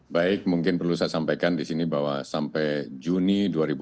baik mungkin perlu saya sampaikan di sini bahwa sampai juni dua ribu dua puluh